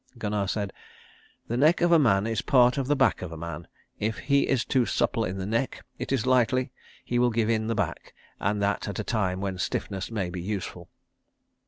Gunnar said, "The neck of a man is part of the back of the man. If he is too supple in the neck it is likely he will give in the back, and that at a time when stiffness may be useful."